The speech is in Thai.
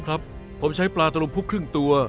ครับผมใช้ปลาตะลมพุกครึ่งตัว